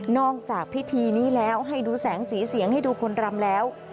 จากพิธีนี้แล้วให้ดูแสงสีเสียงให้ดูคนรำแล้ว